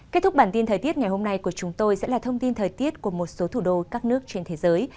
kết thúc bản tin thời tiết ngày hôm nay của chúng tôi sẽ là thông tin thời tiết của một số thủ đô các nước trên thế giới